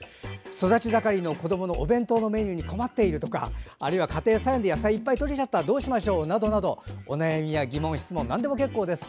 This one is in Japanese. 育ち盛りの子どものお弁当のメニューに困っているとか家庭菜園で野菜いっぱいとれちゃったどうしましょうなどお悩みや疑問、質問なんでも結構です。